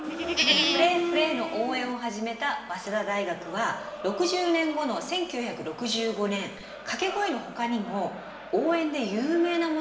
「フレーフレー」の応援を始めた早稲田大学は６０年後の１９６５年掛け声の他にも応援で有名なものを作っています。